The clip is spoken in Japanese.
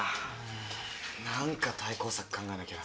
何か対抗策考えなきゃな。